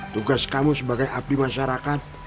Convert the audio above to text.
tugas kamu sebagai abdi masyarakat